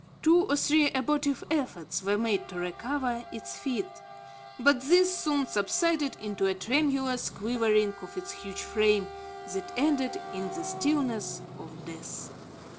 Two or three abortive efforts were made to recover its feet, but these soon subsided into a tremulous quivering of its huge frame, that ended in the stillness of death.